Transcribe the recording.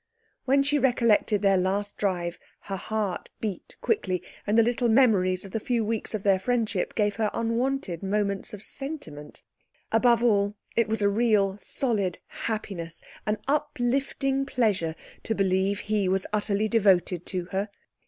When she recollected their last drive her heart beat quickly, and the little memories of the few weeks of their friend ship gave her unwonted moments of sentiment. Above all, it was a real, solid happiness an uplifting pleasure, to believe he was utterly devoted to her.